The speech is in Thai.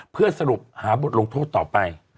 เพื่อสรุปหาบทลงโทษต่อไป